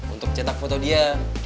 untuk cetak foto dia